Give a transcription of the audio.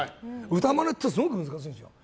歌マネってすごい難しいんですよ。